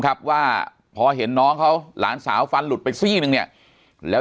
ครับว่าพอเห็นน้องเขาหลานสาวฟันหลุดไปซี่นึงเนี่ยแล้ว